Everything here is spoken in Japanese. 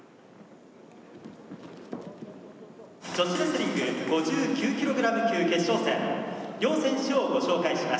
「女子レスリング５９ｋｇ級決勝戦両選手をご紹介します」。